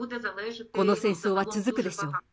この戦争は続くでしょう。